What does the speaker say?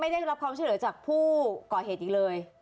ไม่ได้รับความเชื่อเผื่อจากผู้ก่อเหตุอีกเลย